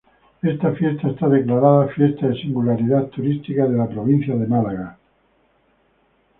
Esta fiesta está declarada "Fiesta de Singularidad Turística de la provincia de Málaga".